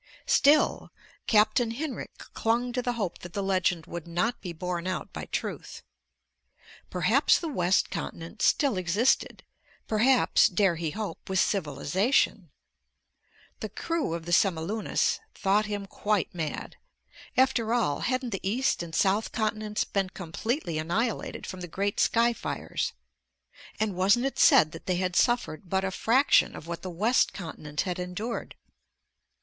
Still, Captain Hinrik clung to the hope that the legend would not be borne out by truth. Perhaps the west continent still existed; perhaps, dare he hope, with civilization. The crew of the Semilunis thought him quite mad. After all, hadn't the east and south continents been completely annihilated from the great sky fires; and wasn't it said that they had suffered but a fraction of what the west continent had endured?